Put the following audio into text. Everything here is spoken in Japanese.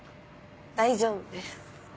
大丈夫です。